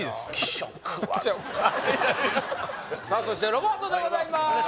そしてロバートでございます